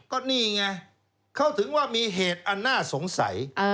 ก็นี่ไงเขาถึงว่ามีเหตุอันน่าสงสัย